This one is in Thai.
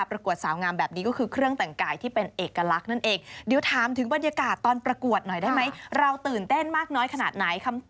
เราตื่นเต้นมากน้อยขนาดไหนครับ